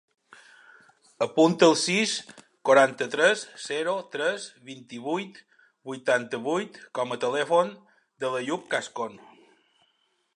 Apunta el sis, quaranta-tres, zero, tres, vint-i-vuit, vuitanta-vuit com a telèfon de l'Àyoub Cascon.